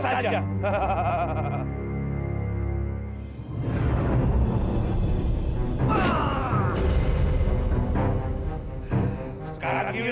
saya bener juga mau diabak